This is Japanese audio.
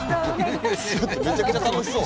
めちゃくちゃ楽しそう！